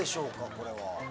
これは。